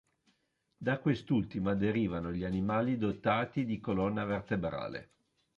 Da quest'ultima derivano gli animali dotati di colonna vertebrale.